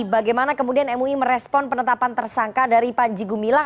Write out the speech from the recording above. bagaimana kemudian mui merespon penetapan tersangka dari panjegu milang